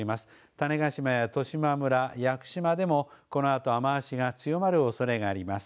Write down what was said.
種子島や十島村、屋久島でもこのあと雨足が強まるおそれがあります。